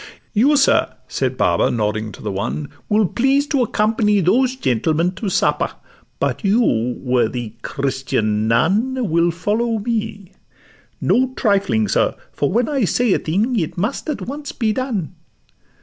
'You, sir,' said Baba, nodding to the one, 'Will please to accompany those gentlemen To supper; but you, worthy Christian nun, Will follow me: no trifling, sir; for when I say a thing, it must at once be done.